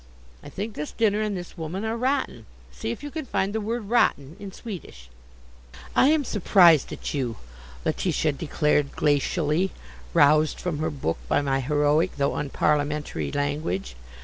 I think this dinner and this woman are rotten. See if you can find the word rotten in Swedish." "I am surprised at you," Letitia declared glacially, roused from her book by my heroic though unparliamentary language.